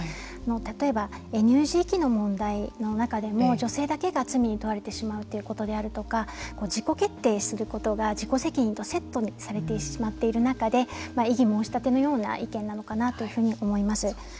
例えば乳児遺棄の問題でも女性だけが罪に問われてしまう問題だとか自己決定することが自己責任とセットにされてしまっている中で異議申し立てのような意見なのかなと思います。